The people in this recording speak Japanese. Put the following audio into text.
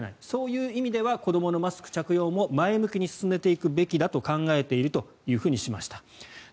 そういう意味では子どものマスク着用も前向きに進めていくべきだと考えているとしました。